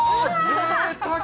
ぜいたく。